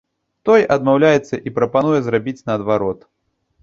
Той адмаўляецца і прапануе зрабіць наадварот.